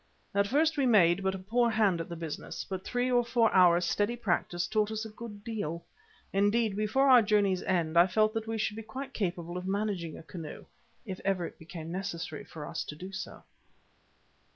At first we made but a poor hand at the business, but three or four hours' steady practice taught us a good deal. Indeed, before our journey's end, I felt that we should be quite capable of managing a canoe, if ever it became necessary for us to do so.